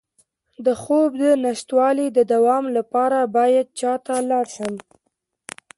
د خوب د نشتوالي د دوام لپاره باید چا ته لاړ شم؟